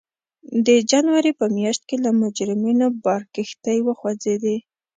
د جنورۍ په میاشت کې له مجرمینو بار کښتۍ وخوځېدې.